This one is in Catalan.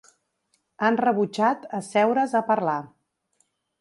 Han rebutjat asseure’s a parlar